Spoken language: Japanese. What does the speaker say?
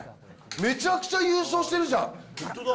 めちゃくちゃ優勝してるじゃん。